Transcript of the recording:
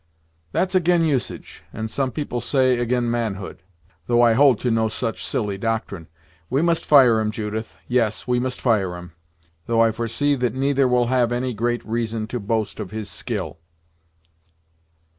"That's ag'in usage and some people say, ag'in manhood; though I hold to no such silly doctrine. We must fire 'em, Judith; yes, we must fire 'em; though I foresee that neither will have any great reason to boast of his skill."